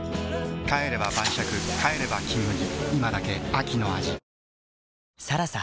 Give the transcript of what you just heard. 帰れば晩酌帰れば「金麦」